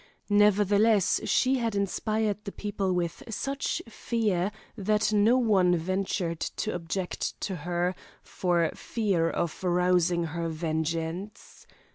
Nevertheless she had inspired the people with such fear, that no one ventured to object to her for fear of rousing her vengeance.